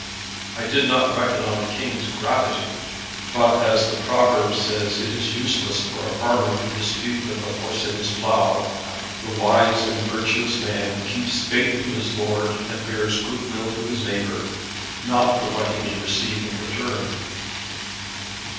"I did not reckon on a King's gratitude; but as the proverb says, it is useless for a farmer to dispute with the horse in his plough. The wise and virtuous man keeps faith to his lord, and bears goodwill to his neighbour, not for what he may receive in return."